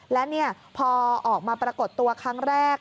และพอออกมาปรากฏตัวครั้งแรก